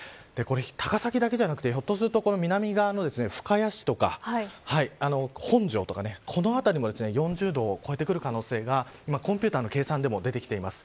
高崎だけではなくひょっとすると南側の深谷市とか本庄とか、この辺りも４０度を超えてくる可能性がコンピューターの計算でも出てきています。